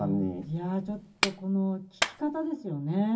いやー、ちょっと、聞き方ですよね。